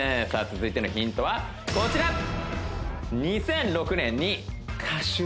続いてのヒントはこちらえっ！？